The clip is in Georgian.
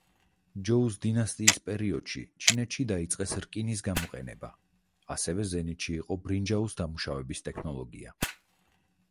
ჯოუს დინასტის პერიოდში ჩინეთში დაიწყეს რკინის გამოყენება, ასევე ზენიტში იყო ბრინჯაოს დამუშავების ტექნოლოგია.